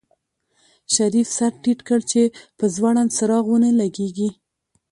شريف سر ټيټ کړ چې په ځوړند څراغ ونه لګېږي.